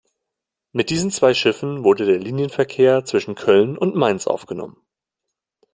Mit diesen zwei Schiffen wurde der Linienverkehr zwischen Köln und Mainz aufgenommen.